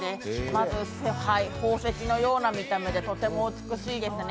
まず宝石のような見た目でとても美しいですね。